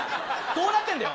どうなってんだよ？